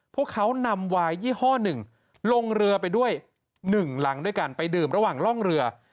พวกเขานำวายยี่ห้อหนึ่งลงเรือไปด้วย๑หลังด้วยกันไปดื่มระหว่างร่องเรือ